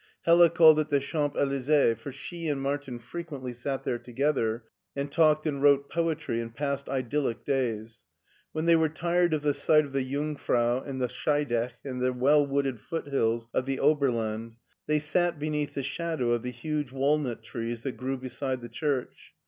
Hella called it the Champs Elysees, for she and Martin frequently sat there together and talked and wrote poetry and passed idyllic days. When they were tired of the sight of the Jungf rau and the Scheidech and the well wooded foot hills of the Oberland, they sat beneath the shadow of the huge walnut trees that grew beside the church.